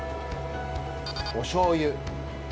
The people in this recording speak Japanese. おしょう油。